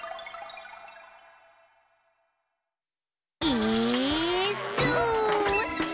「イーッス」